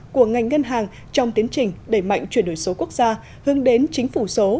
của ngành ngân hàng trong tiến trình đẩy mạnh chuyển đổi số quốc gia hướng đến chính phủ số